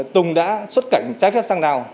tùng đã xuất cảnh trái phép sang lào